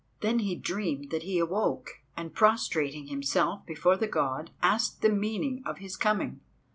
Then he dreamed that he awoke, and prostrating himself before the God, asked the meaning of his coming.